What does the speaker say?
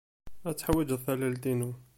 Ad teḥwijeḍ tallalt-inu.